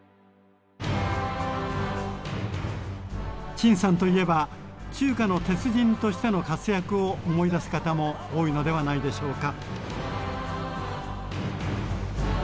陳さんといえば「中華の鉄人」としての活躍を思い出す方も多いのではないでしょうか？